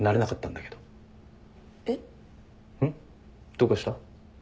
どうかした？